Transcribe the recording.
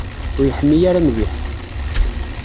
Ur yeḥmi ara mliḥ.